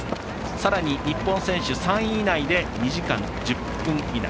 さらに日本選手３位以内で２時間１０分以内。